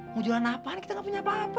mau jualan apa kita gak punya apa apa